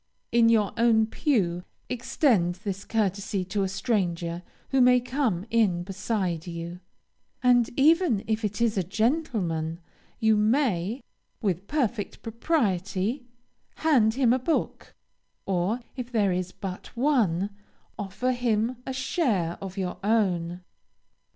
In your own pew, extend this courtesy to a stranger who may come in beside you, and even if it is a gentleman you may, with perfect propriety, hand him a book, or, if there is but one, offer him a share of your own.